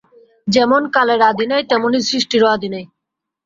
যেমন কালের আদি নাই, তেমনি সৃষ্টিরও আদি নাই।